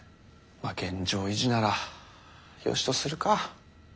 まあ現状維持ならよしとするか。